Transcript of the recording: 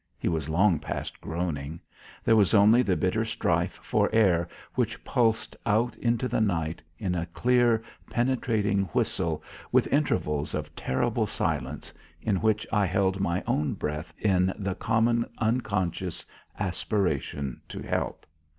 He was long past groaning. There was only the bitter strife for air which pulsed out into the night in a clear penetrating whistle with intervals of terrible silence in which I held my own breath in the common unconscious aspiration to help.